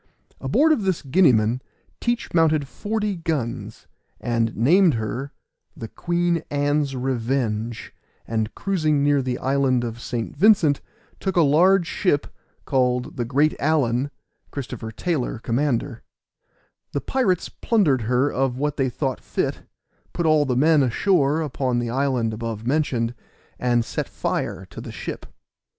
Aboard of this Guineaman Teach mounted forty guns, and named her the Queen Ann's Revenge; and cruising near the island of St. Vincent, took a large ship, called the Great Allen, Christopher Taylor, commander; the pirates plundered her of what they thought fit, put all the men ashore upon the island above mentioned, and set fire to the ship.